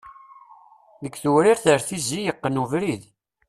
Deg tewrirt ar tizi, yeqqen ubrid.